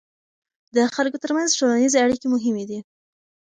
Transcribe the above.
د خلکو ترمنځ ټولنیزې اړیکې مهمې دي.